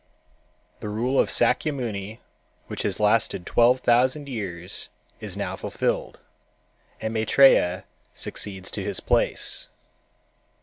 The rule of Sâkyamuni which has lasted twelve thousand years is now fulfilled, and Maitrêya succeeds to his place."